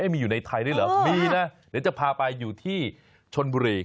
มีอยู่ในไทยด้วยเหรอมีนะเดี๋ยวจะพาไปอยู่ที่ชนบุรี